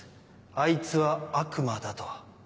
あいつは悪魔だと。